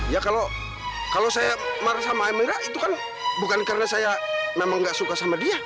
ya kalau saya marah sama emirat itu kan bukan karena saya memang nggak suka sama dia